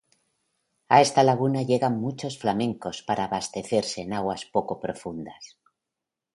A esta laguna llegan muchos flamencos para abastecerse en aguas poco profundas.